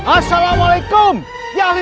assalamualaikum ya allah